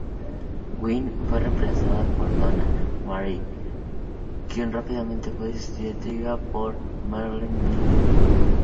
Wine fue reemplazada por Donna Marie, quien rápidamente fue sustituida por Merle Miller.